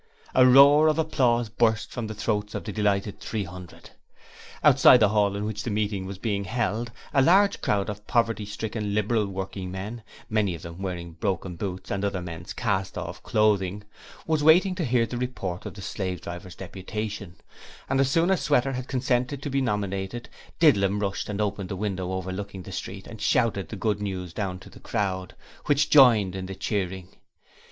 A roar of applause burst from the throats of the delighted Three Hundred. Outside the hall in which the meeting was being held a large crowd of poverty stricken Liberal working men, many of them wearing broken boots and other men's cast off clothing, was waiting to hear the report of the slave drivers' deputation, and as soon as Sweater had consented to be nominated, Didlum rushed and opened the window overlooking the street and shouted the good news down to the crowd, which joined in the cheering.